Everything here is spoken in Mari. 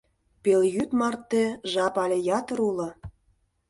Пелйӱд марте жап але ятыр уло.